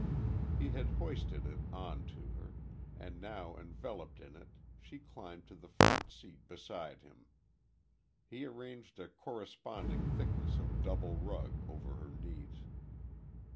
He had hoisted it on to her, and now enveloped in it she climbed to the front seat beside him. He arranged a corresponding thickness of double rug over her knees.